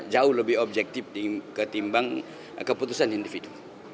jauh lebih objektif ketimbang keputusan individu